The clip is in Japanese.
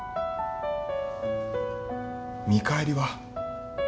見返りは？